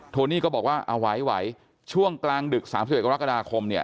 โนี่ก็บอกว่าเอาไหวช่วงกลางดึก๓๑กรกฎาคมเนี่ย